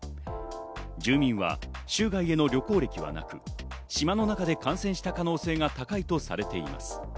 住民は州外への旅行歴はなく、島の中で感染した可能性が高いとされています。